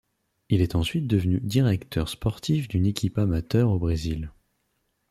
Il est ensuite devenu directeur sportif d'une équipe amateur au Brésil.